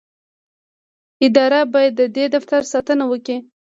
اداره باید د دې دفتر ساتنه وکړي.